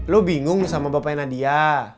lo bingung sama bapaknya nadia